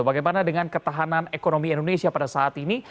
bagaimana dengan ketahanan ekonomi indonesia pada saat ini